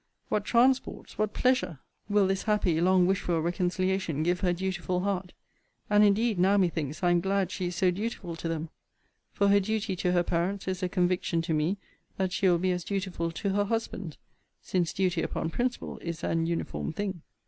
What transports, what pleasure, will this happy, long wished for reconciliation give her dutiful heart! And indeed now methinks I am glad she is so dutiful to them; for her duty to her parents is a conviction to me that she will be as dutiful to her husband: since duty upon principle is an uniform thing.